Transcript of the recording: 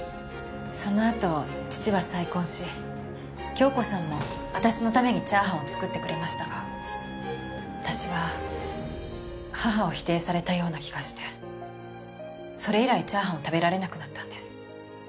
そのあと父は再婚し京子さんも私のためにチャーハンを作ってくれましたが私は母を否定されたような気がしてそれ以来チャーハンを食べられなくなったんです。